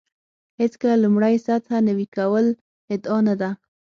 هېڅکله لومړۍ سطح نوي کول ادعا نه ده.